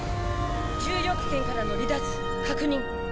重力圏からの離脱確認。